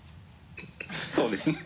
そうですね